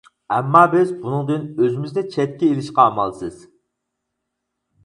ئەمما بىز بۇنىڭدىن ئۆزىمىزنى چەتكە ئىلىشقا ئامالسىز.